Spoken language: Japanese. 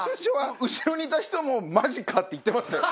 後ろにいた人も「マジか」って言ってましたよ。